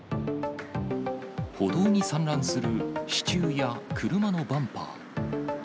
歩道に散乱する支柱や車のバンパー。